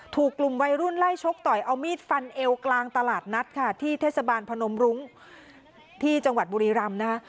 ถูกกลุ่มวัยรุ่นไล่ชกต่อยเอามีดฟันเอวกลางตลาดนัดค่ะที่เทศบาลพนมรุ้งที่จังหวัดบุรีรำนะคะ